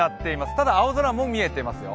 ただ青空も見えていますよ。